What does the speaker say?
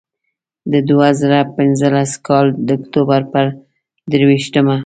د دوه زره پینځلس کال د اکتوبر پر درویشتمه.